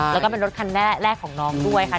แล้วก็เป็นรถคันแรกของน้องด้วยค่ะ